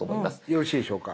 よろしいでしょうか。